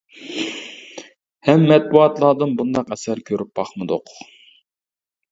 ھەم مەتبۇئاتلاردىمۇ بۇنداق ئەسەر كۆرۈپ باقمىدۇق.